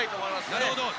なるほど。